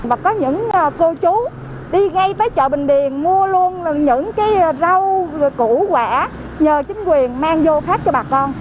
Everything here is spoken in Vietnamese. và có những cô chú đi ngay tới chợ bình điền mua luôn những cái rau củ quả nhờ chính quyền mang vô phát cho bà con